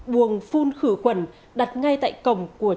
buồng phun khử quần đặt ngay tại cổng của đảng